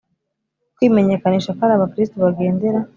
kwimenyekanisha ko ari Abakristo bagendera